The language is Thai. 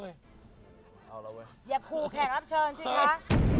อย่าคู่แข่งรับเชิญสิคะ